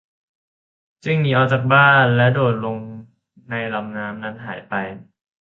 จึงหนีออกจากบ้านและโดดลงในลำน้ำนั้นหายไป